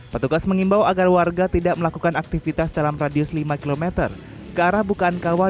petugas mengimbau agar warga tidak melakukan aktivitas dalam radius lima km ke arah bukaan kawah